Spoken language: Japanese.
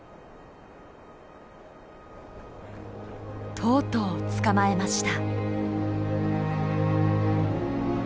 とうとう捕まえました。